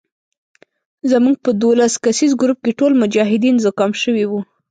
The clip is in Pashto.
زموږ په دولس کسیز ګروپ کې ټول مجاهدین زکام شوي وو.